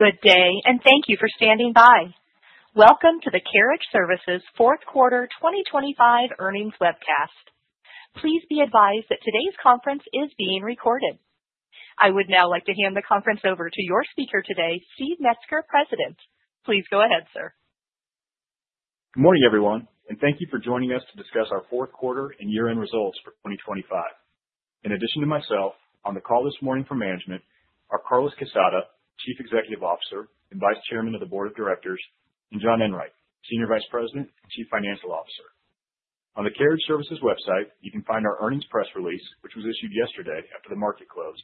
Good day. Thank you for standing by. Welcome to the Carriage Services Q4 2025 Earnings Webcast. Please be advised that today's conference is being recorded. I would now like to hand the conference over to your speaker today, Steve Metzger, President. Please go ahead, sir. Good morning, everyone, and thank you for joining us to discuss our Q4 and year-end results for 2025. In addition to myself, on the call this morning from management are Carlos Quezada, Chief Executive Officer and Vice Chairman of the Board of Directors, and John Enwright, Senior Vice President and Chief Financial Officer. On the Carriage Services website, you can find our earnings press release, which was issued yesterday after the market closed.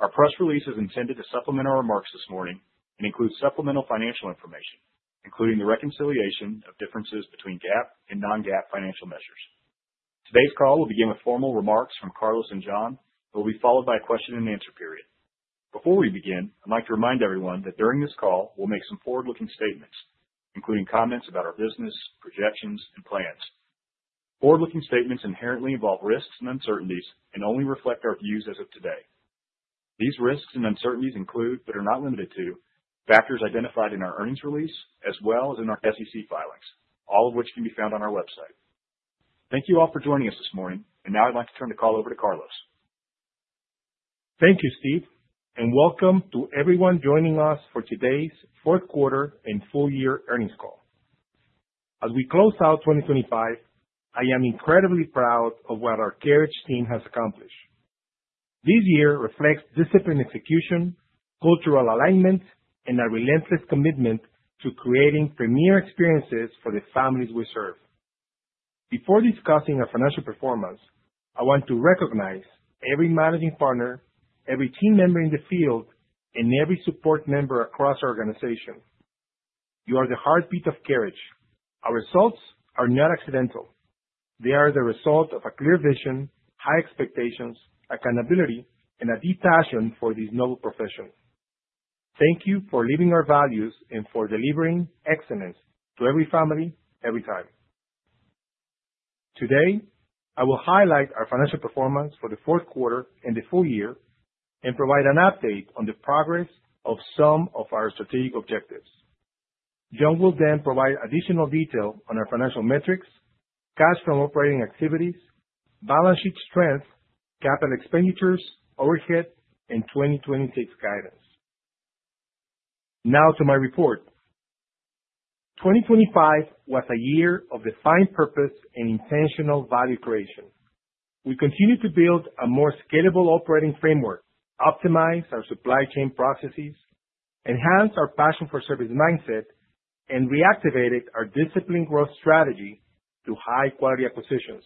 Our press release is intended to supplement our remarks this morning and includes supplemental financial information, including the reconciliation of differences between GAAP and non-GAAP financial measures. Today's call will begin with formal remarks from Carlos and John, but will be followed by a question and answer period. Before we begin, I'd like to remind everyone that during this call, we'll make some forward-looking statements, including comments about our business, projections, and plans. Forward-looking statements inherently involve risks and uncertainties and only reflect our views as of today. These risks and uncertainties include, but are not limited to, factors identified in our earnings release as well as in our SEC filings, all of which can be found on our website. Thank you all for joining us this morning, and now I'd like to turn the call over to Carlos. Thank you, Steve, and welcome to everyone joining us for today's Q4 and full year earnings call. As we close out 2025, I am incredibly proud of what our Carriage team has accomplished. This year reflects disciplined execution, cultural alignment, and a relentless commitment to creating premier experiences for the families we serve. Before discussing our financial performance, I want to recognize every managing partner, every team member in the field, and every support member across our organization. You are the heartbeat of Carriage. Our results are not accidental. They are the result of a clear vision, high expectations, accountability, and a deep passion for this noble profession. Thank you for living our values and for delivering excellence to every family, every time. Today, I will highlight our financial performance for the Q4 and the full year and provide an update on the progress of some of our strategic objectives. John will then provide additional detail on our financial metrics, cash from operating activities, balance sheet strength, capital expenditures, overhead, and 2026 guidance. Now to my report. 2025 was a year of defined purpose and intentional value creation. We continued to build a more scalable operating framework, optimize our supply chain processes, enhance our passion for service mindset, and reactivated our disciplined growth strategy through high-quality acquisitions.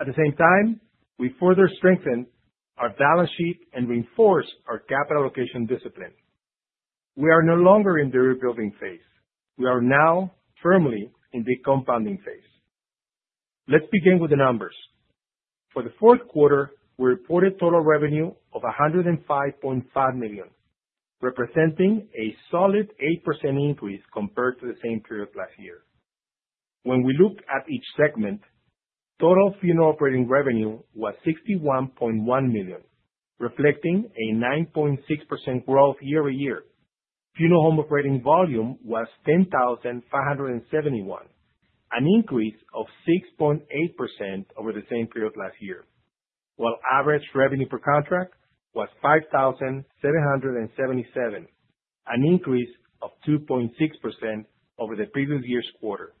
At the same time, we further strengthened our balance sheet and reinforced our capital allocation discipline. We are no longer in the rebuilding phase. We are now firmly in the compounding phase. Let's begin with the numbers. For the Q4, we reported total revenue of $105.5 million, representing a solid 8% increase compared to the same period last year. When we look at each segment, total funeral operating revenue was $61.1 million, reflecting a 9.6% growth year-over-year. Funeral home operating volume was 10,571, an increase of 6.8% over the same period last year, while average revenue per contract was $5,777, an increase of 2.6% over the previous year's quarter.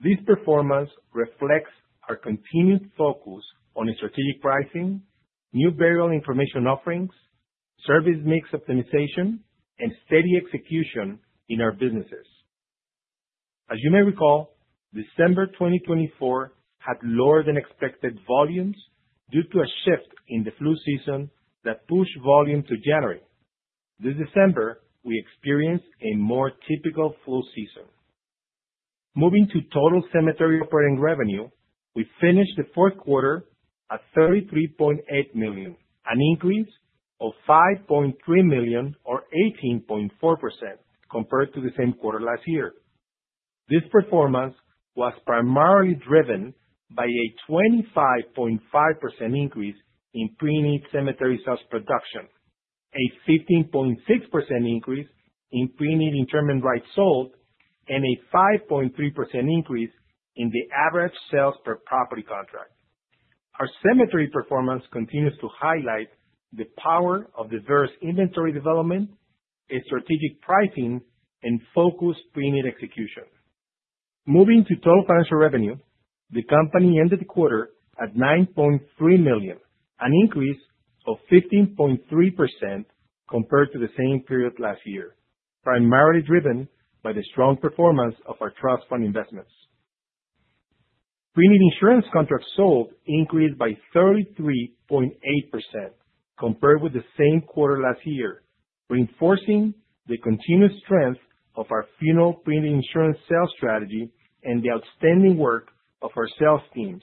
This performance reflects our continued focus on strategic pricing, new burial information offerings, service mix optimization, and steady execution in our businesses. As you may recall, December 2024 had lower than expected volumes due to a shift in the flu season that pushed volume to January. This December, we experienced a more typical flu season. Moving to total cemetery operating revenue, we finished the Q4 at $33.8 million, an increase of $5.3 million, or 18.4%, compared to the same quarter last year. This performance was primarily driven by a 25.5% increase in pre-need cemetery sales production, a 15.6% increase in pre-need interment rights sold, and a 5.3% increase in the average sales per property contract. Our cemetery performance continues to highlight the power of diverse inventory development and strategic pricing and focused pre-need execution. Moving to total financial revenue, the company ended the quarter at $9.3 million, an increase of 15.3% compared to the same period last year, primarily driven by the strong performance of our trust fund investments. Pre-need insurance contracts sold increased by 33.8% compared with the same quarter last year, reinforcing the continued strength of our funeral pre-need insurance sales strategy and the outstanding work of our sales teams,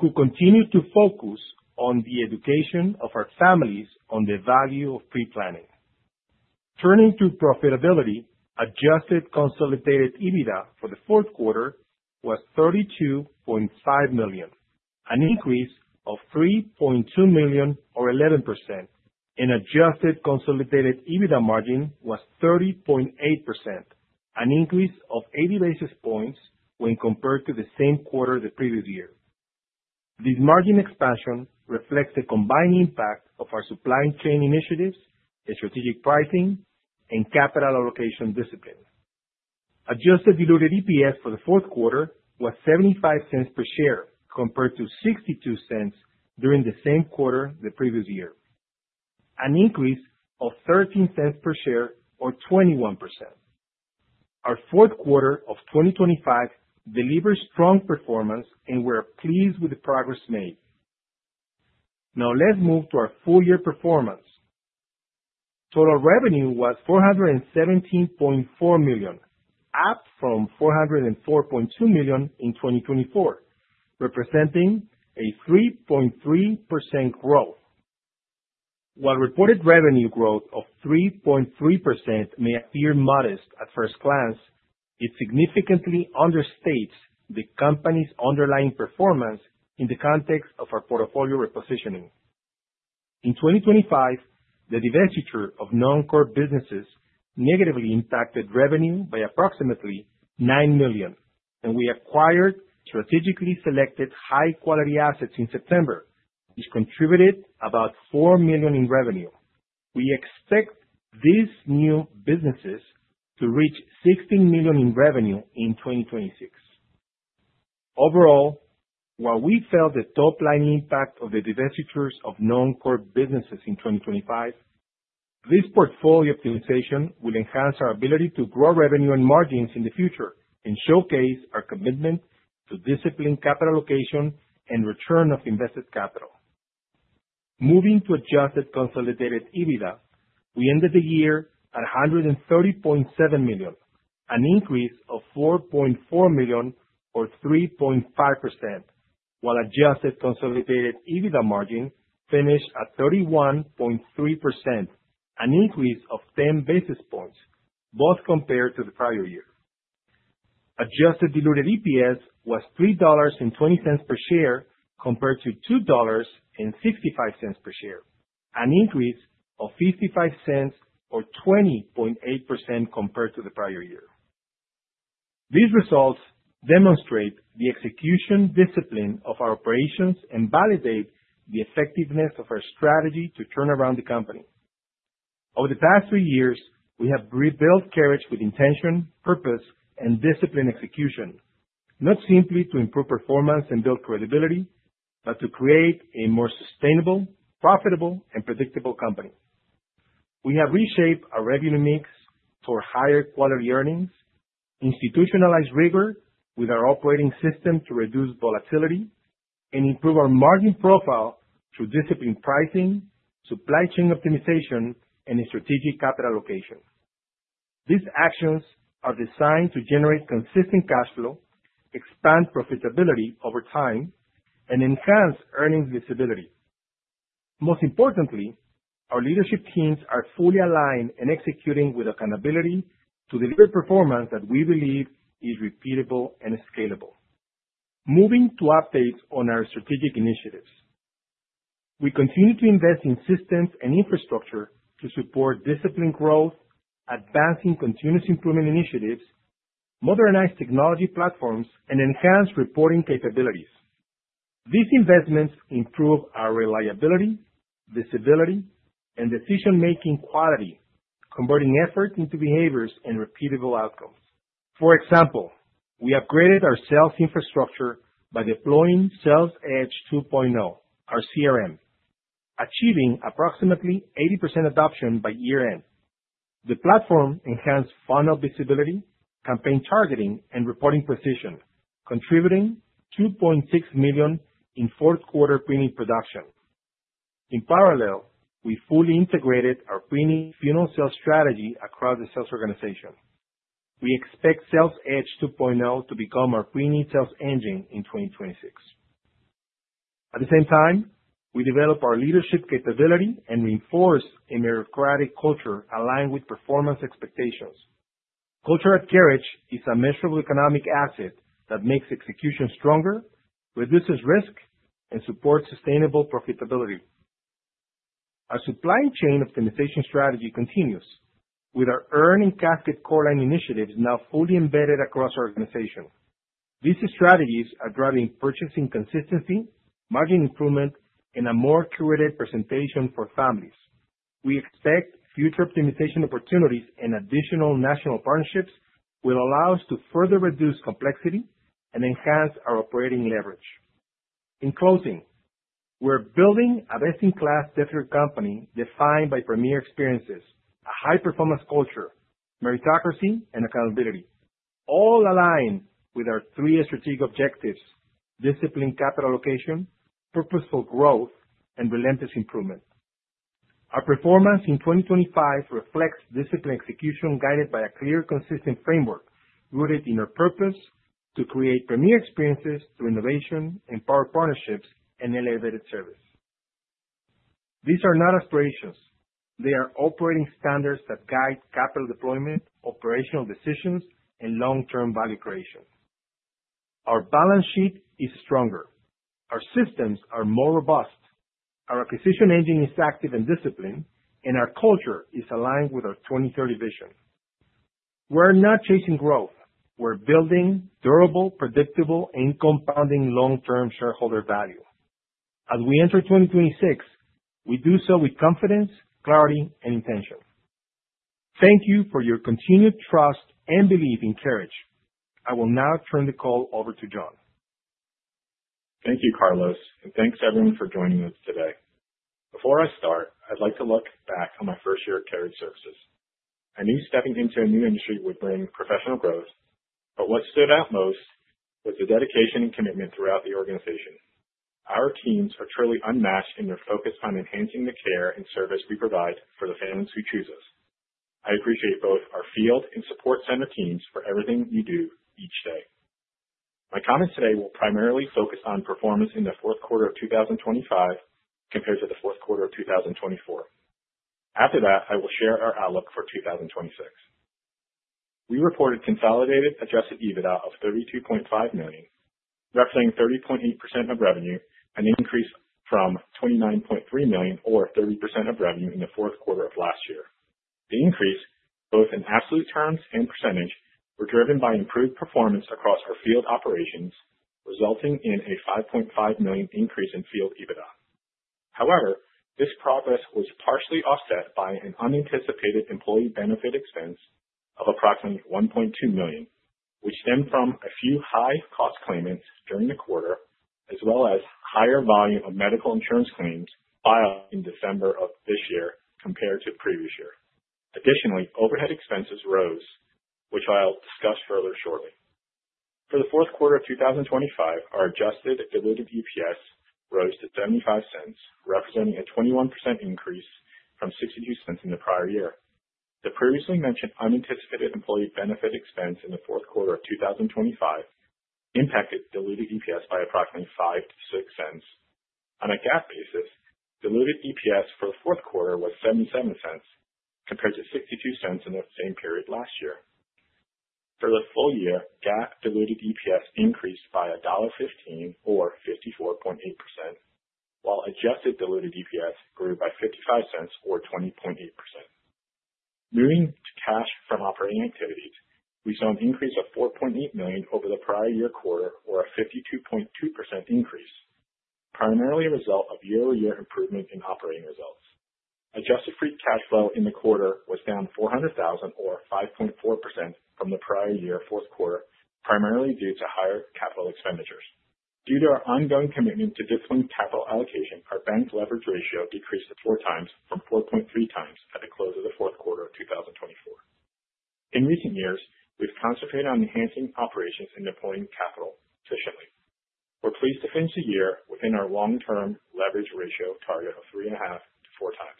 who continue to focus on the education of our families on the value of pre-planning. Turning to profitability, adjusted consolidated EBITDA for the Q4 was $32.5 million, an increase of $3.2 million or 11%, and adjusted consolidated EBITDA margin was 30.8%, an increase of 80 basis points when compared to the same quarter the previous year. This margin expansion reflects the combined impact of our supply chain initiatives, the strategic pricing, and capital allocation discipline. Adjusted diluted EPS for the Q4 was $0.75 per share, compared to $0.62 during the same quarter the previous year, an increase of $0.13 per share or 21%. Our Q4 of 2025 delivered strong performance, and we're pleased with the progress made. Now let's move to our full year performance. Total revenue was $417.4 million, up from $404.2 million in 2024, representing a 3.3% growth. While reported revenue growth of 3.3% may appear modest at first glance, it significantly understates the company's underlying performance in the context of our portfolio repositioning. In 2025, the divestiture of non-core businesses negatively impacted revenue by approximately $9 million, and we acquired strategically selected high-quality assets in September, which contributed about $4 million in revenue. We expect these new businesses to reach $16 million in revenue in 2026. While we felt the top line impact of the divestitures of non-core businesses in 2025, this portfolio optimization will enhance our ability to grow revenue and margins in the future and showcase our commitment to disciplined capital allocation and return of invested capital. Moving to adjusted consolidated EBITDA, we ended the year at $130.7 million, an increase of $4.4 million, or 3.5%, while adjusted consolidated EBITDA margin finished at 31.3%, an increase of 10 basis points, both compared to the prior year. Adjusted diluted EPS was $3.20 per share, compared to $2.65 per share, an increase of $0.55 or 20.8% compared to the prior year. These results demonstrate the execution discipline of our operations and validate the effectiveness of our strategy to turn around the company. Over the past three years, we have rebuilt Carriage with intention, purpose, and discipline execution. Not simply to improve performance and build credibility, to create a more sustainable, profitable, and predictable company. We have reshaped our revenue mix for higher quality earnings, institutionalized rigor with our operating system to reduce volatility, and improve our margin profile through disciplined pricing, supply chain optimization, and a strategic capital allocation. These actions are designed to generate consistent cash flow, expand profitability over time, and enhance earnings visibility. Most importantly, our leadership teams are fully aligned and executing with accountability to deliver performance that we believe is repeatable and scalable. Moving to updates on our strategic initiatives. We continue to invest in systems and infrastructure to support disciplined growth, advancing continuous improvement initiatives, modernize technology platforms, and enhance reporting capabilities. These investments improve our reliability, visibility, and decision-making quality, converting effort into behaviors and repeatable outcomes. For example, we upgraded our sales infrastructure by deploying Sales Edge 2.0, our CRM, achieving approximately 80% adoption by year-end. The platform enhanced funnel visibility, campaign targeting, and reporting precision, contributing $2.6 million in Q4 pre-need production. In parallel, we fully integrated our pre-need funeral sales strategy across the sales organization. We expect Sales Edge 2.0 to become our pre-need sales engine in 2026. At the same time, we develop our leadership capability and reinforce a meritocratic culture aligned with performance expectations. Culture at Carriage is a measurable economic asset that makes execution stronger, reduces risk, and supports sustainable profitability. Our supply chain optimization strategy continues, with our urn and casket core line initiatives now fully embedded across our organization. These strategies are driving purchasing consistency, margin improvement, and a more curated presentation for families. We expect future optimization opportunities and additional national partnerships will allow us to further reduce complexity and enhance our operating leverage. In closing, we're building a best-in-class death care company defined by premier experiences, a high-performance culture, meritocracy, and accountability, all aligned with our three strategic objectives: disciplined capital allocation, purposeful growth, and relentless improvement. Our performance in 2025 reflects disciplined execution, guided by a clear, consistent framework rooted in our purpose to create premier experiences through innovation, empowered partnerships, and elevated service. These are not aspirations. They are operating standards that guide capital deployment, operational decisions, and long-term value creation. Our balance sheet is stronger, our systems are more robust, our acquisition engine is active and disciplined, and our culture is aligned with our 2030 vision. We're not chasing growth. We're building durable, predictable, and compounding long-term shareholder value. As we enter 2026, we do so with confidence, clarity, and intention. Thank you for your continued trust and belief in Carriage. I will now turn the call over to John. Thank you, Carlos, and thanks, everyone, for joining us today. Before I start, I'd like to look back on my first year at Carriage Services. I knew stepping into a new industry would bring professional growth, but what stood out most was the dedication and commitment throughout the organization. Our teams are truly unmatched in their focus on enhancing the care and service we provide for the families who choose us. I appreciate both our field and support center teams for everything you do each day. My comments today will primarily focus on performance in the Q4 of 2025 compared to the Q4 of 2024. After that, I will share our outlook for 2026. We reported consolidated adjusted EBITDA of $32.5 million, representing 30.8% of revenue, an increase from $29.3 million or 30% of revenue in the Q4 of last year. The increase, both in absolute terms and percentage, were driven by improved performance across our field operations, resulting in a $5.5 million increase in field EBITDA. This progress was partially offset by an unanticipated employee benefit expense of approximately $1.2 million, which stemmed from a few high-cost claimants during the quarter, as well as higher volume of medical insurance claims filed in December of this year compared to previous year. Overhead expenses rose, which I'll discuss further shortly. For the Q4 of 2025, our adjusted diluted EPS rose to $0.75, representing a 21% increase from $0.62 in the prior year. The previously mentioned unanticipated employee benefit expense in the Q4 of 2025 impacted diluted EPS by approximately $0.05-0.06. On a GAAP basis, diluted EPS for the Q4 was $0.77, compared to $0.62 in the same period last year. For the full year, GAAP diluted EPS increased by $1.15 or 54.8%, while adjusted diluted EPS grew by $0.55 or 20.8%. Moving to cash from operating activities, we saw an increase of $4.8 million over the prior year quarter or a 52.2% increase, primarily a result of year-over-year improvement in operating results. Adjusted free cash flow in the quarter was down $400,000 or 5.4% from the prior year Q4, primarily due to higher capital expenditures. Due to our ongoing commitment to disciplined capital allocation, our bank leverage ratio decreased to 4x from 4.3x at the close of the Q4 of 2024. In recent years, we've concentrated on enhancing operations and deploying capital efficiently. We're pleased to finish the year within our long-term leverage ratio target of 3.5-4x.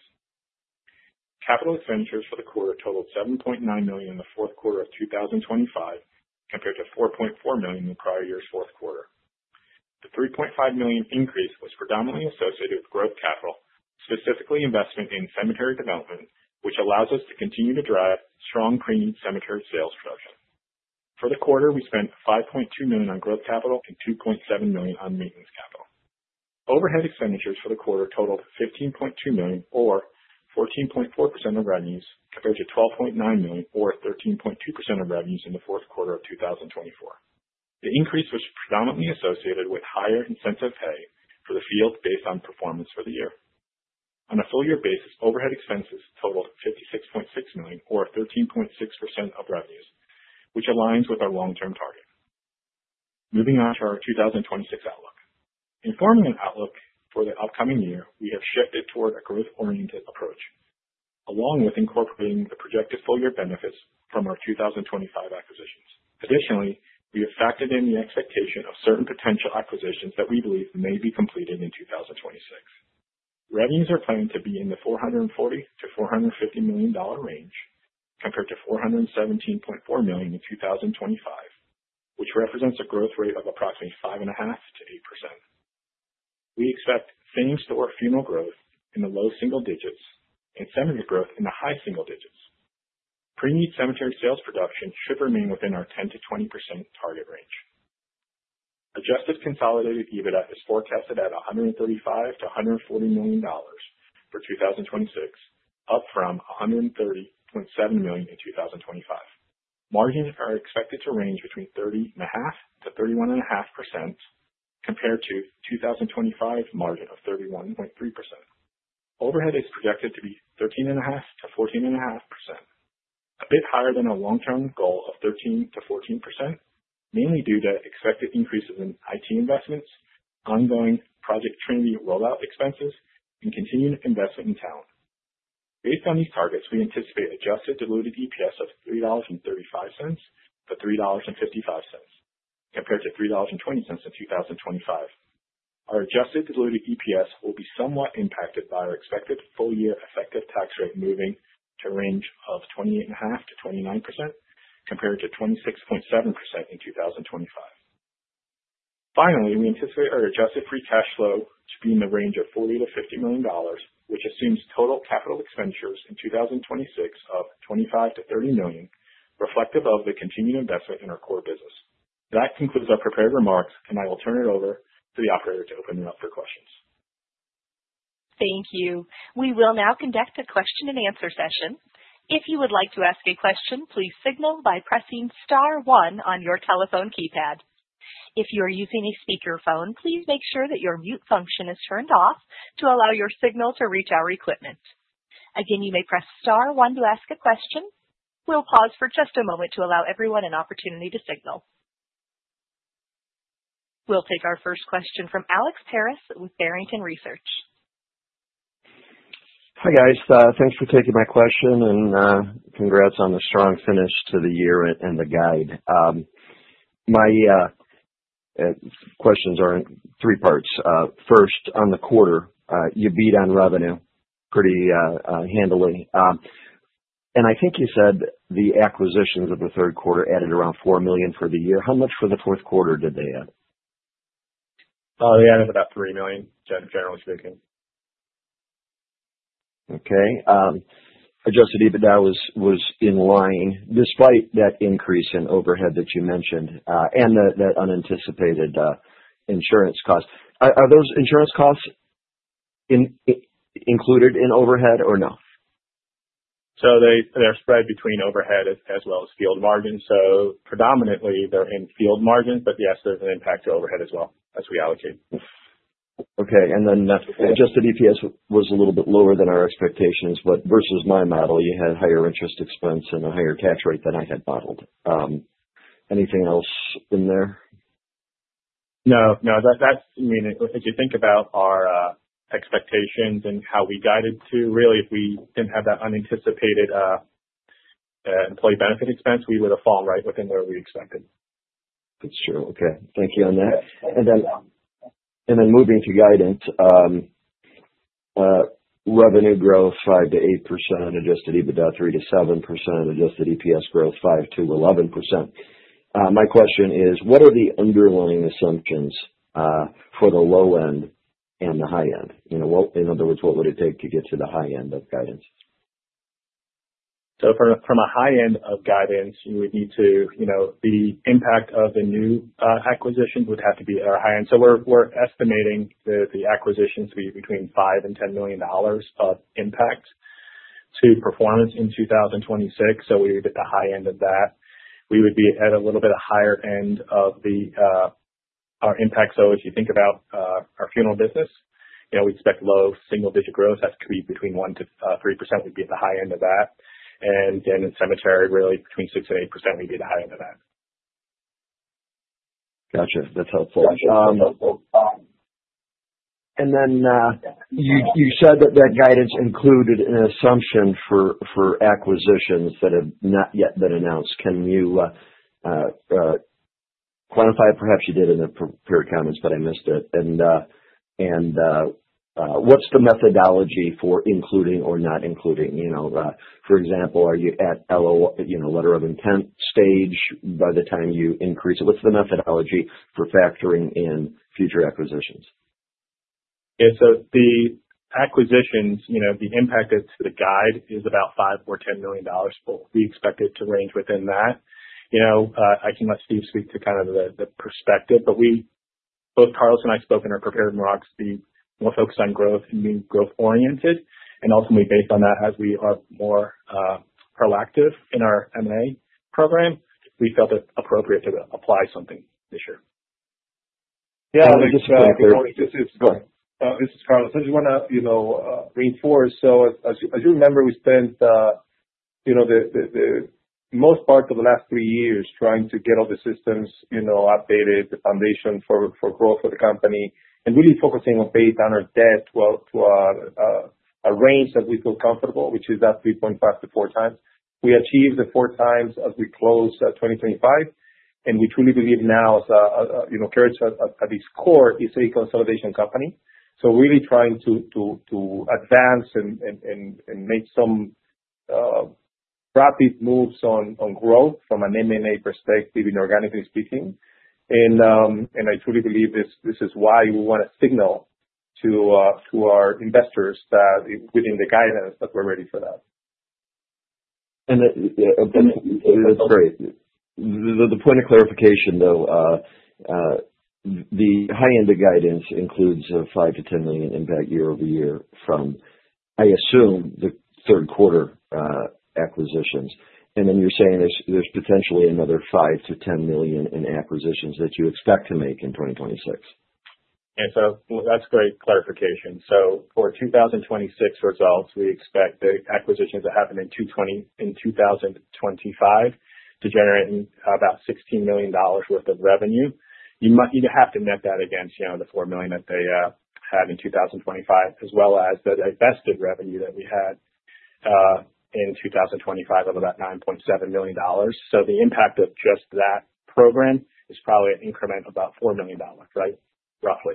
Capital expenditures for the quarter totaled $7.9 million in the Q4 of 2025, compared to $4.4 million in the prior year's Q4. The $3.5 million increase was predominantly associated with growth capital, specifically investment in cemetery development, which allows us to continue to drive strong pre-need cemetery sales structure. For the quarter, we spent $5.2 million on growth capital and $2.7 million on maintenance capital. Overhead expenditures for the quarter totaled $15.2 million or 14.4% of revenues, compared to $12.9 million or 13.2% of revenues in the Q4 of 2024. The increase was predominantly associated with higher incentive pay for the field based on performance for the year. On a full year basis, overhead expenses totaled $56.6 million or 13.6% of revenues, which aligns with our long-term target. Moving on to our 2026 outlook. In forming an outlook for the upcoming year, we have shifted toward a growth-oriented approach, along with incorporating the projected full year benefits from our 2025 acquisitions. Additionally, we have factored in the expectation of certain potential acquisitions that we believe may be completed in 2026. Revenues are planning to be in the $440 million-$450 million range, compared to $417.4 million in 2025, which represents a growth rate of approximately 5.5-8%. We expect same-store funeral growth in the low single digits and cemetery growth in the high single digits. Pre-need cemetery sales production should remain within our 10-20% target range. Adjusted consolidated EBITDA is forecasted at $135 million-$140 million for 2026, up from $130.7 million in 2025. Margins are expected to range between 30.5-31.5%, compared to 2025's margin of 31.3%. Overhead is projected to be 13.5-14.5%, a bit higher than our long-term goal of 13-14%, mainly due to expected increases in IT investments, ongoing project training rollout expenses, and continued investment in talent. Based on these targets, we anticipate adjusted diluted EPS of $3.35-$3.55, compared to $3.20 in 2025. Our adjusted diluted EPS will be somewhat impacted by our expected full year effective tax rate, moving to a range of 28.5-29%, compared to 26.7% in 2025. Finally, we anticipate our adjusted free cash flow to be in the range of $40 million-50 million, which assumes total capital expenditures in 2026 of $25 million-30 million, reflective of the continued investment in our core business. That concludes our prepared remarks. I will turn it over to the operator to open it up for questions. Thank you. We will now conduct a question-and-answer session. If you would like to ask a question, please signal by pressing star one on your telephone keypad. If you are using a speakerphone, please make sure that your mute function is turned off to allow your signal to reach our equipment. Again, you may press star one to ask a question. We'll pause for just a moment to allow everyone an opportunity to signal. We'll take our first question from Alex Paris with Barrington Research. Hi, guys. Thanks for taking my question, and congrats on the strong finish to the year and the guide. My questions are in three parts. First, on the quarter, you beat on revenue pretty handily. I think you said the acquisitions of the Q3 added around $4 million for the year. How much for the Q4 did they add? They added about $3 million, generally speaking. Okay. adjusted EBITDA was in line despite that increase in overhead that you mentioned, and that unanticipated, insurance cost. Are those insurance costs included in overhead or no? They're spread between overhead as well as field margin. Predominantly they're in field margin, but yes, there's an impact to overhead as well as we allocate. Okay. Adjusted EPS was a little bit lower than our expectations, versus my model, you had higher interest expense and a higher tax rate than I had modeled. Anything else in there? No, no. That's, I mean, if you think about our expectations and how we guided to, really, if we didn't have that unanticipated employee benefit expense, we would have fallen right within where we expected. Sure. Okay, thank you on that. moving to guidance, revenue growth 5-8%, adjusted EBITDA 3-7%, adjusted EPS growth 5-11%. My question is: What are the underlying assumptions for the low end and the high end? You know, in other words, what would it take to get to the high end of guidance? From a, from a high end of guidance, you would need to, you know, the impact of the new acquisitions would have to be at our high end. We're estimating the acquisitions to be between $5 million and $10 million of impact to performance in 2026. We would be at the high end of that. We would be at a little bit higher end of the our impact. If you think about our funeral business, you know, we expect low single digit growth. That could be between 1-3%, would be at the high end of that. In cemetery, really between 6% and 8%, we'd be the high end of that. Gotcha. That's helpful. You, you said that that guidance included an assumption for acquisitions that have not yet been announced. Can you quantify it? Perhaps you did in the prepared comments, but I missed it. What's the methodology for including or not including, you know, for example, are you at LO, you know, letter of intent stage by the time you increase it? What's the methodology for factoring in future acquisitions? Yeah. The acquisitions, you know, the impact to the guide is about $5 million-10 million. We expect it to range within that. You know, I can let Steve speak to kind of the perspective. Both Carlos and I spoke in our prepared remarks, be more focused on growth and being growth oriented, and ultimately based on that, as we are more proactive in our M&A program, we felt it appropriate to apply something this year. Yeah. Just- This is Carlos. I just wanna, you know, reinforce. As you remember, we spent, you know, the most part of the last three years trying to get all the systems, you know, updated, the foundation for growth for the company, and really focusing on paying down our debt well to a range that we feel comfortable, which is that 3.5-4x. We achieved the 4x as we closed 2025, and we truly believe now as, you know, Carriage at its core, is a consolidation company. Really trying to advance and make some rapid moves on growth from an M&A perspective, and organically speaking. I truly believe this is why we want to signal to our investors that within the guidance, that we're ready for that. That's great. The point of clarification, though, the high end of guidance includes a $5 million-10 million impact year-over-year from, I assume, the Q3, acquisitions. Then you're saying there's potentially another $5 million-10 million in acquisitions that you expect to make in 2026? That's great clarification. For 2026 results, we expect the acquisitions that happened in 2025 to generate about $16 million worth of revenue. you'd have to net that against, you know, the $4 million that they had in 2025, as well as the divested revenue that we had in 2025 of about $9.7 million. The impact of just that program is probably an increment of about $4 million, right? Roughly.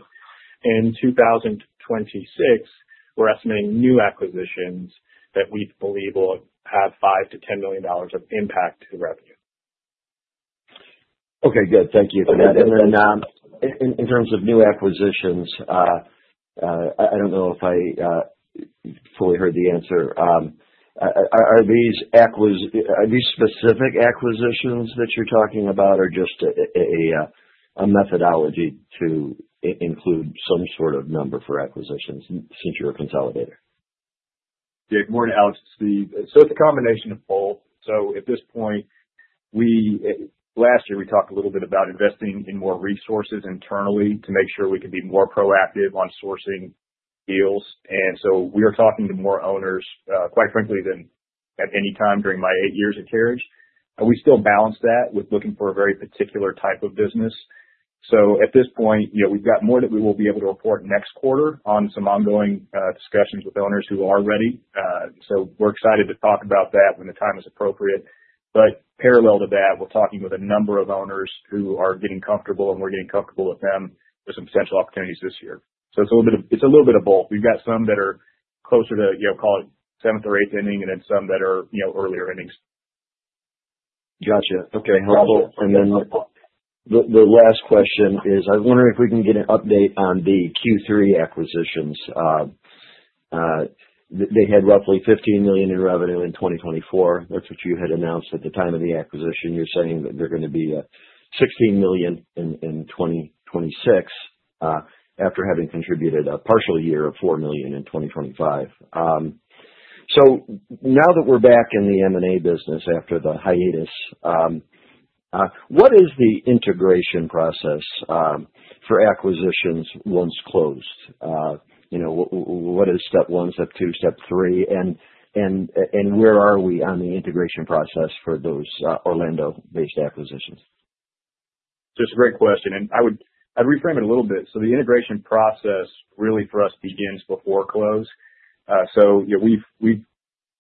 In 2026, we're estimating new acquisitions that we believe will have $5 million-10 million of impact to the revenue. Okay, good. Thank you for that. In terms of new acquisitions, I don't know if I fully heard the answer. Are these specific acquisitions that you're talking about, or just a methodology to include some sort of number for acquisitions since you're a consolidator? Good morning, Alex, it's Steve. It's a combination of both. At this point, we last year, we talked a little bit about investing in more resources internally to make sure we could be more proactive on sourcing deals, we are talking to more owners, quite frankly, than at any time during my eight years at Carriage. We still balance that with looking for a very particular type of business. At this point, you know, we've got more that we will be able to report next quarter on some ongoing discussions with owners who are ready. So we're excited to talk about that when the time is appropriate. Parallel to that, we're talking with a number of owners who are getting comfortable, and we're getting comfortable with them, for some potential opportunities this year. It's a little bit of both. We've got some that are closer to, you know, call it seventh or eighth inning, and then some that are, you know, earlier innings. Gotcha. Okay. Okay. The last question is, I wonder if we can get an update on the Q3 acquisitions. They had roughly $15 million in revenue in 2024. That's what you had announced at the time of the acquisition. You're saying that they're gonna be $16 million in 2026 after having contributed a partial year of $4 million in 2025. So now that we're back in the M&A business after the hiatus, what is the integration process for acquisitions once closed? You know, what is step one, step two, step three, and where are we on the integration process for those Orlando-based acquisitions? Just a great question, I'd reframe it a little bit. The integration process really for us begins before close. you know, we've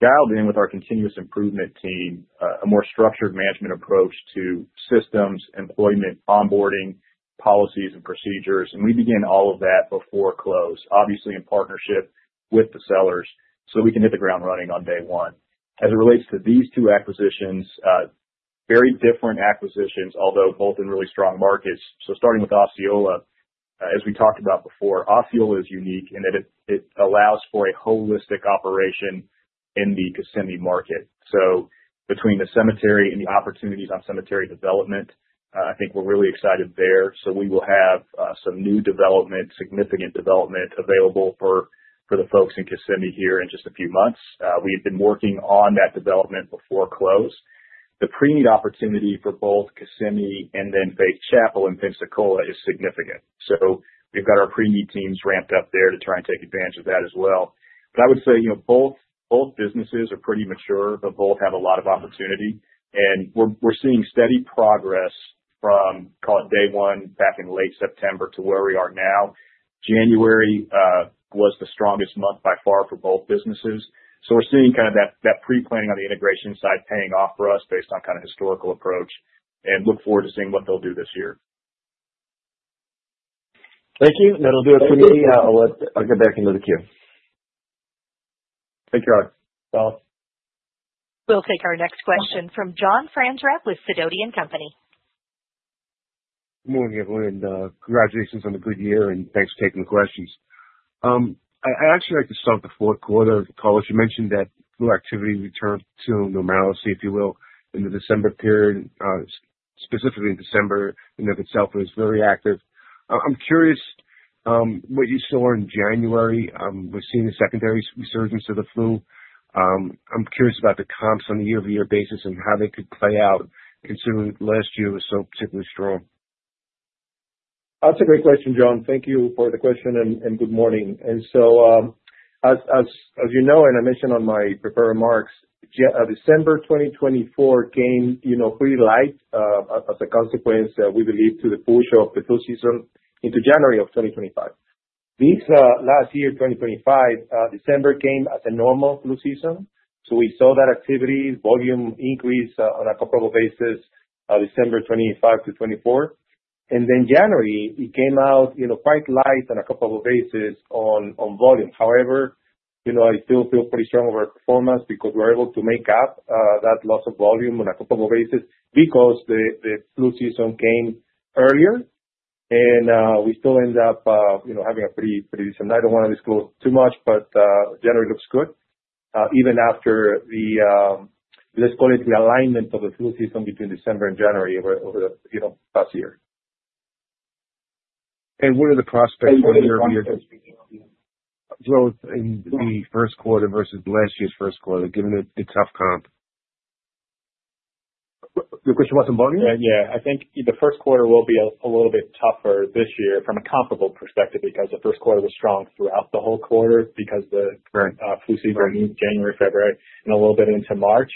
dialed in with our continuous improvement team, a more structured management approach to systems, employment, onboarding, policies, and procedures. We begin all of that before close, obviously in partnership with the sellers, so we can hit the ground running on day one. As it relates to these two acquisitions, very different acquisitions, although both in really strong markets. Starting with Osceola, as we talked about before, Osceola is unique in that it allows for a holistic operation in the Kissimmee market. Between the cemetery and the opportunities on cemetery development, I think we're really excited there. We will have some new development, significant development available for the folks in Kissimmee here in just a few months. We've been working on that development before close. The pre-need opportunity for both Kissimmee and Faith Chapel in Pensacola is significant. We've got our pre-need teams ramped up there to try and take advantage of that as well. I would say, you know, both businesses are pretty mature, but both have a lot of opportunity. We're seeing steady progress from, call it day 1 back in late September to where we are now. January was the strongest month by far for both businesses. We're seeing kind of that pre-planning on the integration side paying off for us based on kind of historical approach, and look forward to seeing what they'll do this year. Thank you. That'll do it for me. I'll go back into the queue. Thank you, Alex. We'll take our next question from John Franzreb with Sidoti & Company. Good morning, everyone, and congratulations on the good year, and thanks for taking the questions. I'd actually like to start with the Q4. Carlos, you mentioned that flu activity returned to normalcy, if you will, in the December period. Specifically in December, you know, itself was very active. I'm curious what you saw in January. We're seeing a secondary resurgence of the flu. I'm curious about the comps on a year-over-year basis and how they could play out, considering last year was so particularly strong. That's a great question, John. Thank you for the question, and good morning. As you know, and I mentioned on my prepared remarks, December 2024 came, you know, pretty light, as a consequence, we believe to the push of the flu season into January of 2025. This last year, 2025, December came as a normal flu season, so we saw that activity volume increase on a comparable basis, December 25-24. January, it came out, you know, quite light on a comparable basis on volume. You know, I still feel pretty strong about our performance because we're able to make up that loss of volume on a comparable basis because the flu season came earlier, and we still ended up, you know, having a pretty decent. I don't wanna disclose too much. January looks good even after the, let's call it the alignment of the flu season between December and January over the, you know, past year. What are the prospects for growth in the Q1 versus last year's Q1, given the tough comp? The question was to Bobby? Yeah. I think the Q1 will be a little bit tougher this year from a comparable perspective, because the Q1 was strong throughout the whole quarter. Right. flu season moved January, February, and a little bit into March.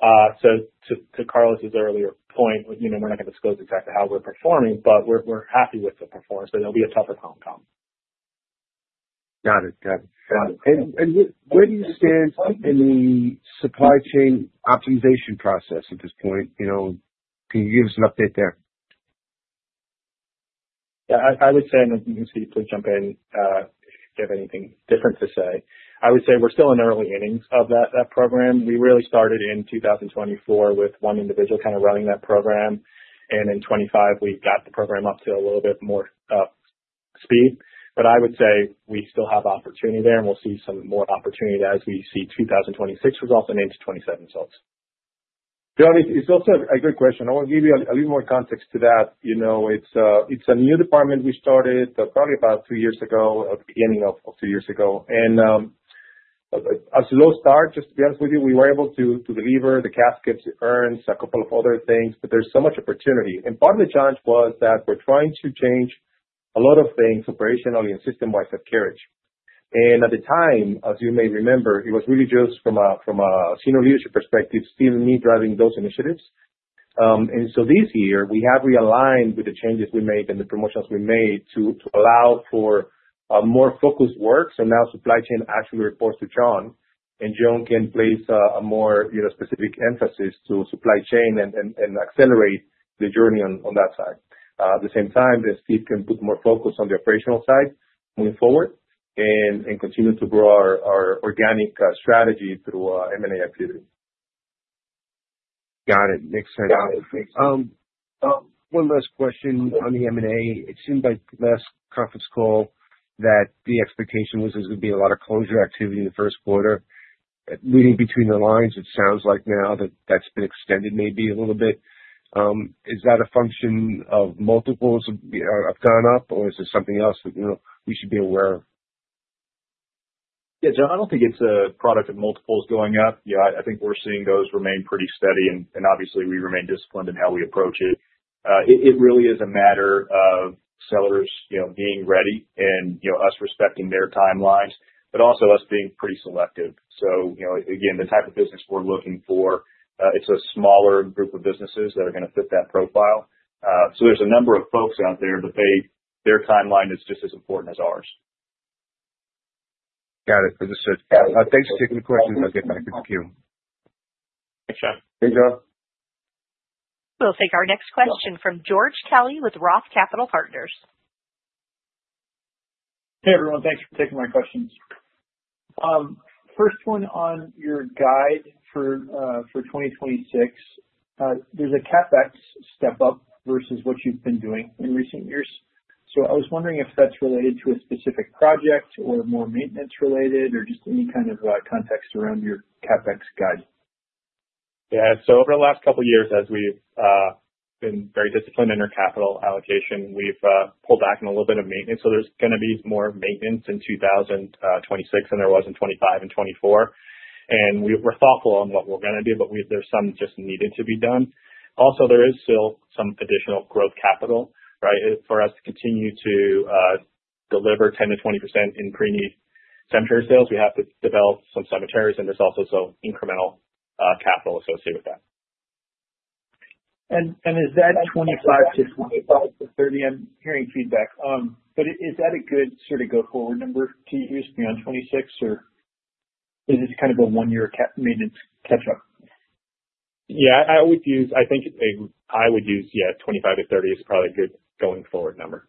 To Carlos's earlier point, you know, we're not gonna disclose exactly how we're performing, but we're happy with the performance, but it'll be a tougher comp. Got it. Got it. Got it. Where do you stand in the supply chain optimization process at this point? You know, can you give us an update there? Yeah, I would say, Steve, please jump in, if you have anything different to say. I would say we're still in the early innings of that program. We really started in 2024 with one individual kind of running that program. In 2025, we got the program up to a little bit more, speed. I would say we still have opportunity there, and we'll see some more opportunity as we see 2026 results and into 2027 results. John, it's also a great question. I want to give you a little more context to that. You know, it's a new department we started, probably about two years ago, at the beginning of two years ago. A slow start, just to be honest with you, we were able to deliver the caskets, the urns, a couple of other things, but there's so much opportunity. Part of the challenge was that we're trying to change a lot of things operationally and system-wide at Carriage. At the time, as you may remember, it was really just from a senior leadership perspective, Steve and me driving those initiatives. This year, we have realigned with the changes we made and the promotions we made to allow for more focused work. Now supply chain actually reports to John, and John can place a more, you know, specific emphasis to supply chain and accelerate the journey on that side. At the same time, Steve can put more focus on the operational side moving forward and continue to grow our organic strategy through M&A activity. Got it. Makes sense. One last question on the M&A. It seemed like last conference call that the expectation was there was gonna be a lot of closure activity in the Q1. Reading between the lines, it sounds like now that that's been extended maybe a little bit. Is that a function of multiples have gone up, or is there something else that, you know, we should be aware of? Yeah, John, I don't think it's a product of multiples going up. Yeah, I think we're seeing those remain pretty steady, and obviously we remain disciplined in how we approach it. It really is a matter of sellers, you know, being ready and, you know, us respecting their timelines, but also us being pretty selective. You know, again, the type of business we're looking for, it's a smaller group of businesses that are gonna fit that profile. There's a number of folks out there, but their timeline is just as important as ours. Got it. Understood. Thanks for taking the questions. I'll get back to the queue. Thanks, John. Thanks, John. We'll take our next question from George Kelly with Roth Capital Partners. Hey, everyone. Thanks for taking my questions. First one on your guide for 2026. There's a CapEx step up versus what you've been doing in recent years. I was wondering if that's related to a specific project or more maintenance related, or just any kind of context around your CapEx guide. Yeah. Over the last couple years, as we've been very disciplined in our capital allocation, we've pulled back on a little bit of maintenance. There's gonna be more maintenance in 2026 than there was in 25 and 24. We're thoughtful on what we're gonna do, but we there's some just needed to be done. Also, there is still some additional growth capital, right? For us to continue to deliver 10-20% in pre-need cemetery sales, we have to develop some cemeteries, and there's also some incremental capital associated with that. Is that 25-30? I'm hearing feedback. Is that a good sort of go-forward number to use on 26, or is it kind of a one-year maintenance catch-up? Yeah, I always use I would use, yeah, 25 to 30 is probably a good going forward number.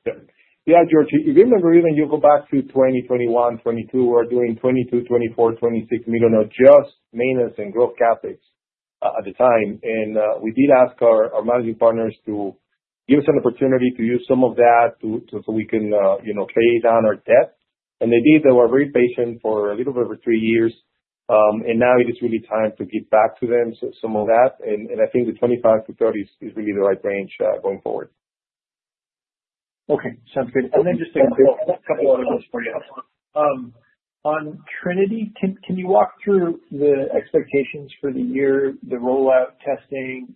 Yeah, George, if you remember, even you go back to 2020, 2021, 2022, we're doing $22 million, $24 million, $26 million on just maintenance and growth CapEx at the time. We did ask our managing partners to give us an opportunity to use some of that to so we can, you know, pay down our debt. They did. They were very patient for a little bit over 3 years. Now it is really time to give back to them so some of that, and I think the $25 million-30 million is really the right range going forward. Okay. Sounds good. Just a quick, couple other notes for you. On Trinity, can you walk through the expectations for the year, the rollout testing,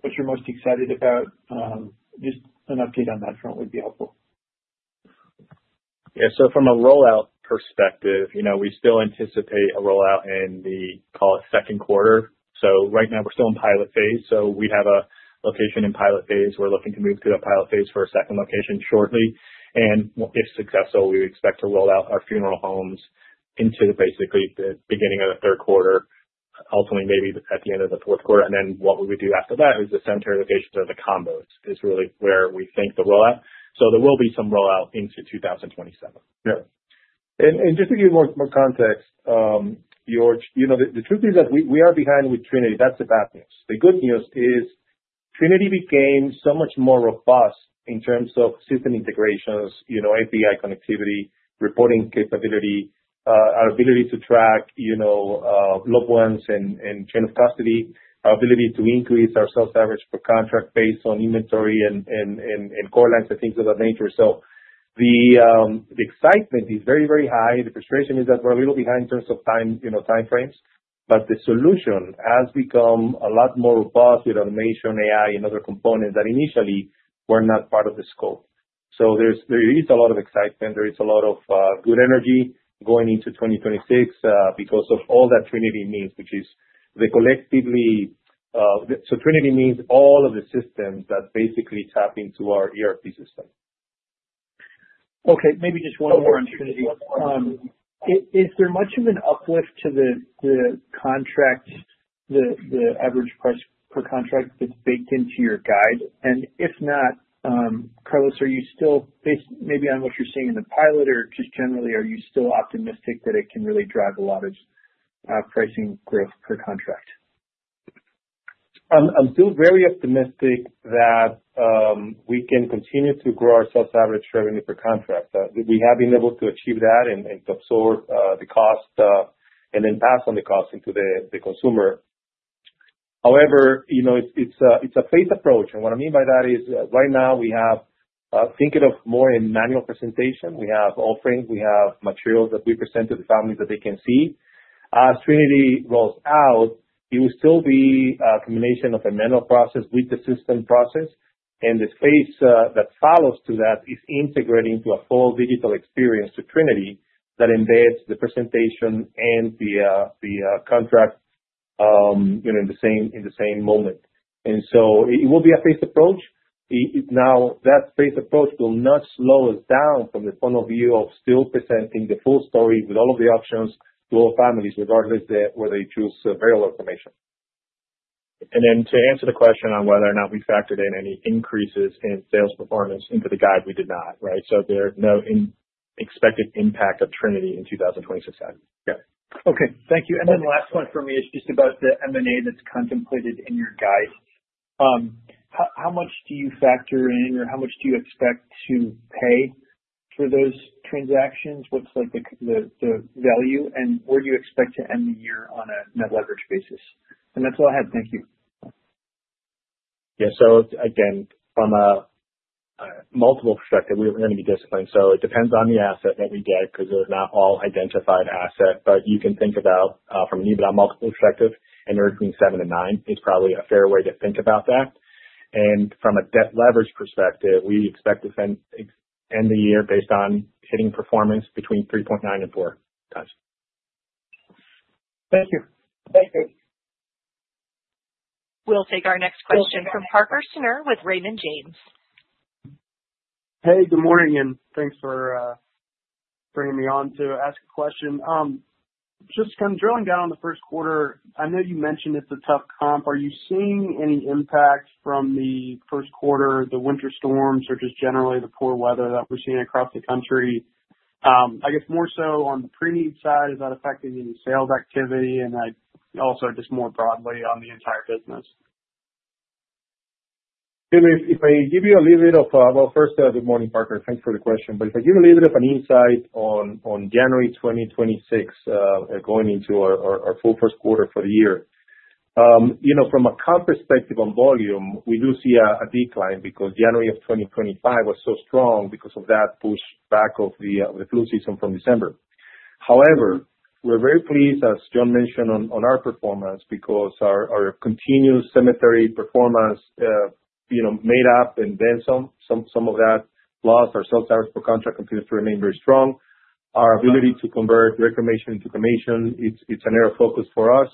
what you're most excited about? Just an update on that front would be helpful. Yeah. From a rollout perspective, you know, we still anticipate a rollout in the, call it, Q2. Right now, we're still in pilot phase. We have a location in pilot phase. We're looking to move through a pilot phase for a second location shortly. If successful, we expect to roll out our funeral homes into basically the beginning of the Q3, ultimately, maybe the, at the end of the Q4. What would we do after that is the center locations or the combos is really where we think the rollout. There will be some rollout into 2027. Yeah. Just to give you more context, George, you know, the truth is that we are behind with Trinity. That's the bad news. The good news is Trinity became so much more robust in terms of system integrations, you know, API connectivity, reporting capability, our ability to track, you know, loved ones and chain of custody, our ability to increase our sales average per contract based on inventory and correlates and things of that nature. The excitement is very, very high. The frustration is that we're a little behind in terms of time, you know, time frames, but the solution has become a lot more robust with automation, AI, and other components that initially were not part of the scope. There is a lot of excitement, there is a lot of good energy going into 2026 because of all that Trinity means, so Trinity means all of the systems that basically tap into our ERP system. Okay, maybe just one more on Trinity. Is there much of an uplift to the contract, the average price per contract that's baked into your guide? If not, Carlos, are you still maybe on what you're seeing in the pilot or just generally, are you still optimistic that it can really drive a lot of pricing growth per contract? I'm still very optimistic that we can continue to grow our sales average revenue per contract. We have been able to achieve that and absorb the cost and then pass on the cost into the consumer. However, you know, it's a phased approach, and what I mean by that is, right now we have, think it of more in manual presentation. We have offerings, we have materials that we present to the families that they can see. As Trinity rolls out, it will still be a combination of a manual process with the system process. The phase that follows to that is integrating to a full digital experience to Trinity that embeds the presentation and the contract, you know, in the same moment. It will be a phased approach. Now, that phased approach will not slow us down from the point of view of still presenting the full story with all of the options to all families, regardless whether they choose burial or cremation. To answer the question on whether or not we factored in any increases in sales performance into the guide, we did not. Right? There's no expected impact of Trinity in 2026 ahead. Yeah. Okay, thank you. Last one for me is just about the M&A that's contemplated in your guide. How much do you factor in, or how much do you expect to pay for those transactions? What's like the value, and where do you expect to end the year on a net leverage basis? That's all I have. Thank you. Again, from a multiple perspective, we are gonna be disciplined. It depends on the asset that we get, because they're not all identified assets. You can think about, from an EBITDA multiple perspective, between 7x and 9x is probably a fair way to think about that. From a debt leverage perspective, we expect to end the year based on hitting performance between 3.9x and 4x. Thank you. Thank you. We'll take our next question from Parker Snurre with Raymond James. Hey, good morning, and thanks for bringing me on to ask a question. Just kind of drilling down on the Q1, I know you mentioned it's a tough comp. Are you seeing any impacts from the Q1, the winter storms, or just generally the poor weather that we're seeing across the country? I guess more so on the pre-need side, is that affecting any sales activity, and also just more broadly on the entire business? Well, first, good morning, Parker, thanks for the question. If I give you a little bit of an insight on January 2026, going into our full Q1 for the year. you know, from a comp perspective on volume, we do see a decline because January of 2025 was so strong because of that pushback of the flu season from December. We're very pleased, as John mentioned on our performance because our continuous cemetery performance, you know, made up and then some of that loss. Our sales average per contract continues to remain very strong. Our ability to convert pre-need into cremation, it's an area of focus for us.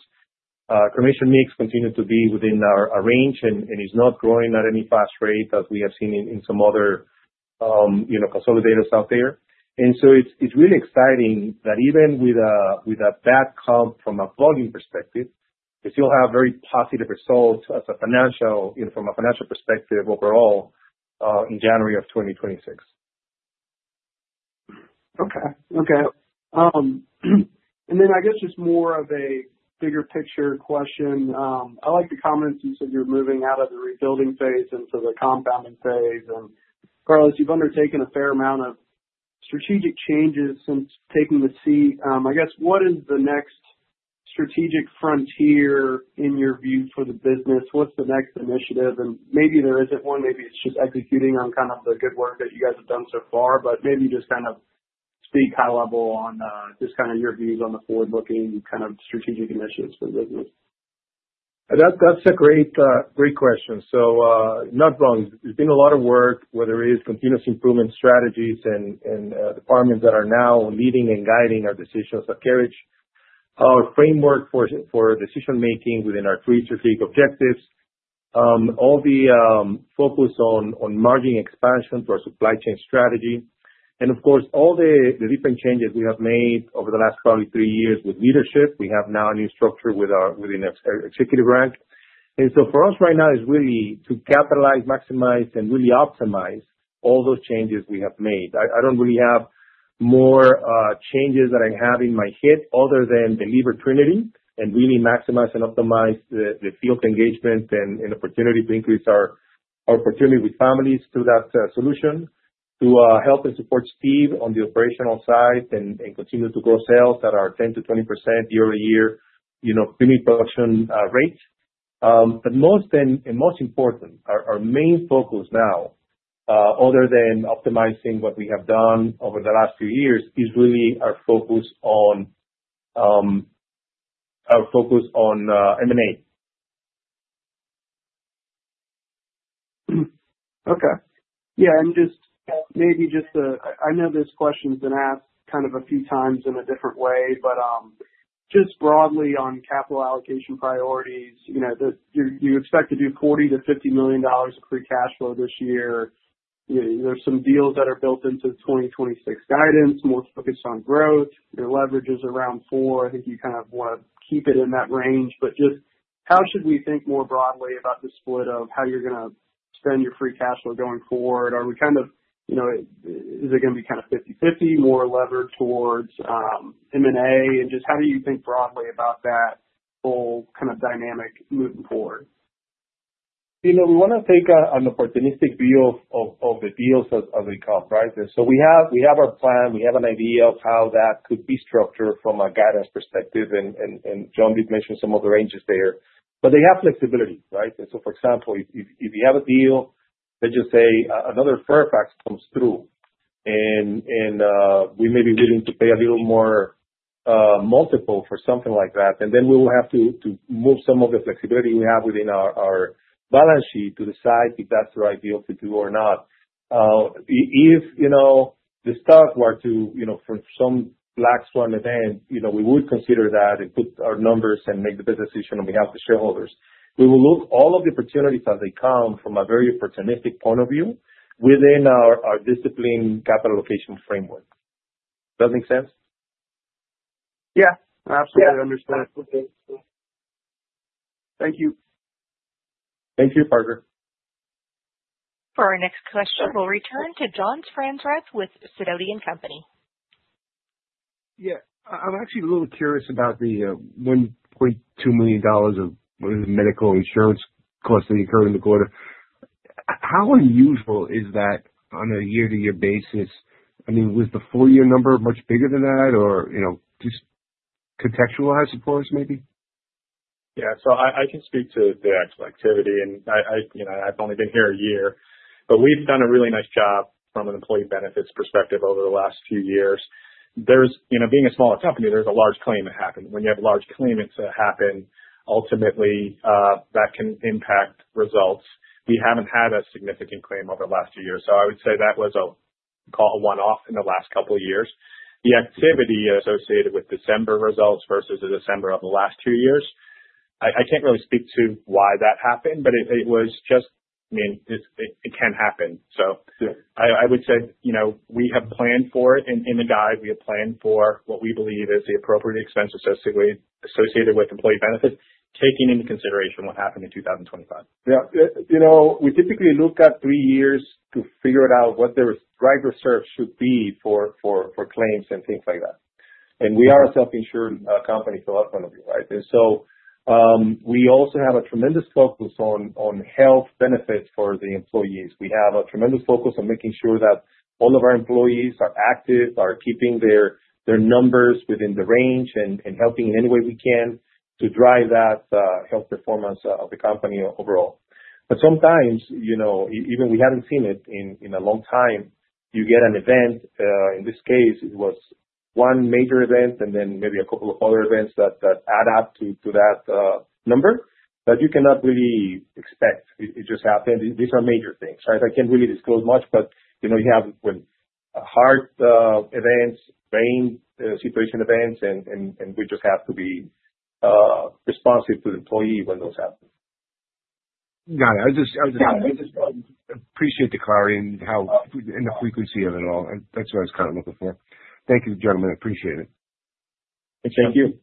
Cremation mix continued to be within our range and is not growing at any fast rate as we have seen in some other, you know, consolidators out there. It's really exciting that even with a, with a bad comp from a volume perspective, we still have very positive results as a financial, you know, from a financial perspective overall, in January of 2026. Okay. Okay. Then I guess just more of a bigger picture question. I like the comments you said you're moving out of the rebuilding phase into the compounding phase. Carlos, you've undertaken a fair amount of strategic changes since taking the seat. I guess, what is the next strategic frontier in your view for the business? What's the next initiative? Maybe there isn't one, maybe it's just executing on kind of the good work that you guys have done so far, but maybe just kind of speak high level on, just kind of your views on the forward-looking kind of strategic initiatives for the business. That's a great question. Not wrong. There's been a lot of work, whether it is continuous improvement strategies and departments that are now leading and guiding our decisions with Carriage, our framework for decision making within our three strategic objectives, all the focus on margin expansion to our supply chain strategy, and of course, all the different changes we have made over the last probably three years with leadership. We have now a new structure within executive rank. For us right now is really to capitalize, maximize, and really optimize all those changes we have made. I don't really have more changes that I have in my head other than deliver Trinity and really maximize and optimize the field engagement and opportunity to increase our opportunity with families through that solution. To help and support Steve on the operational side and continue to grow sales that are 10-20% year-over-year, you know, premium production rates. But most and most important, our main focus now, other than optimizing what we have done over the last few years, is really our focus on our focus on M&A. Okay. Yeah, just, maybe just, I know this question's been asked kind of a few times in a different way, but, just broadly on capital allocation priorities, you know, you expect to do $40 million-50 million of free cash flow this year. You know, there's some deals that are built into the 2026 guidance, more focused on growth. Your leverage is around four. I think you kind of wanna keep it in that range. Just how should we think more broadly about the split of how you're gonna spend your free cash flow going forward? Are we kind of, you know, is it gonna be kind of 50/50, more levered towards, M&A? Just how do you think broadly about that whole kind of dynamic moving forward? You know, we wanna take an opportunistic view of the deals as they come, right? We have our plan, we have an idea of how that could be structured from a guidance perspective, and John did mention some of the ranges there. They have flexibility, right? For example, if you have a deal, let's just say, another Fairfax comes through and we may be willing to pay a little more multiple for something like that. We will have to move some of the flexibility we have within our balance sheet to decide if that's the right deal to do or not. If, you know, the stock were to, you know, for some black swan event, you know, we would consider that and put our numbers and make the best decision on behalf of shareholders. We will look all of the opportunities as they come from a very opportunistic point of view within our discipline capital allocation framework. Does it make sense? I absolutely understand. Okay. Thank you. Thank you, Parker. For our next question, we'll return to John Franzreb with Sidoti & Company. Yeah. I'm actually a little curious about the $1.2 million of medical insurance costs that you incurred in the quarter. How unusual is that on a year-to-year basis? I mean, was the full year number much bigger than that? You know, just contextualize, of course, maybe. I can speak to the actual activity, and I, you know, I've only been here a year. We've done a really nice job from an employee benefits perspective over the last few years. You know, being a smaller company, there's a large claim that happened. When you have large claims that happen, ultimately, that can impact results. We haven't had a significant claim over the last two years, I would say that was a, call it one-off in the last couple of years. The activity associated with December results versus the December of the last two years, I can't really speak to why that happened, but it was just, I mean, it, it can happen, so. Sure. I would say, you know, we have planned for it in the guide. We have planned for what we believe is the appropriate expense associated with employee benefits, taking into consideration what happened in 2025. Yeah. You know, we typically look at three years to figure it out, what the right reserve should be for claims and things like that. We are a self-insured company, so I'll point of view, right? We also have a tremendous focus on health benefits for the employees. We have a tremendous focus on making sure that all of our employees are active, are keeping their numbers within the range and helping in any way we can to drive that health performance of the company overall. Sometimes, you know, even we haven't seen it in a long time, you get an event, in this case, it was one major event and then maybe a couple of other events that add up to that number, that you cannot really expect. It just happened. These are major things, right? I can't really disclose much, but, you know, you have when, heart events, brain situation events, and we just have to be responsive to the employee when those happen. Got it. I just appreciate the clarity and how and the frequency of it all, That's what I was kind of looking for. Thank you, gentlemen. I appreciate it. Thank you.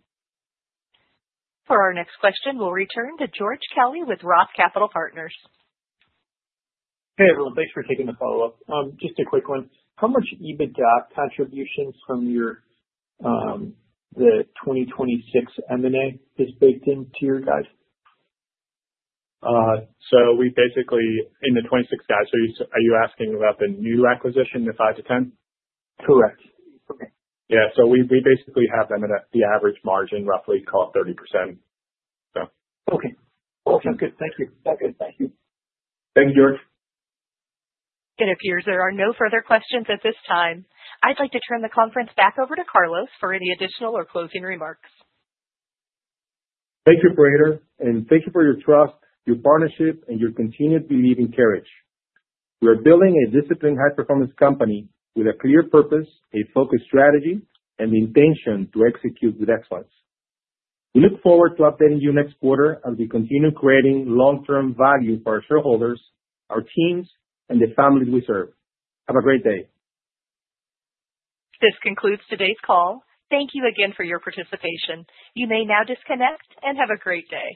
For our next question, we'll return to George Kelly with Roth Capital Partners. Hey, everyone. Thanks for taking the follow-up. Just a quick one. How much EBITDA contributions from your, the 2026 M&A is baked into your guide? we basically... In the 2026 guide, so are you asking about the new acquisition, the 5-10? Correct. Okay. Yeah. We, we basically have M&A, the average margin, roughly call it 30%. Okay. Cool. Good. Thank you. That's good. Thank you. Thank you, George. It appears there are no further questions at this time. I'd like to turn the conference back over to Carlos for any additional or closing remarks. Thank you, operator. Thank you for your trust, your partnership, and your continued belief in Carriage. We are building a disciplined, high-performance company with a clear purpose, a focused strategy, and the intention to execute with excellence. We look forward to updating you next quarter as we continue creating long-term value for our shareholders, our teams, and the families we serve. Have a great day. This concludes today's call. Thank you again for your participation. You may now disconnect and have a great day.